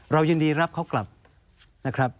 เรายินดีรับเขากลับนะครับ